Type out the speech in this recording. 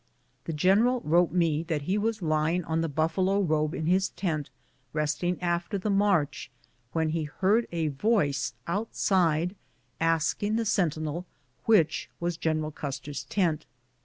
The general wrote me that he was lying on the buffalo robe in his tent, resting after the march, when he heard a voice outside asking the sentinel which was General Custer's tent.